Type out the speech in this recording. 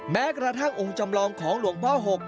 แม้กระทั่งองค์จำลองของหลวงพ่อ๖